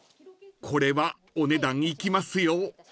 ［これはお値段いきますよ］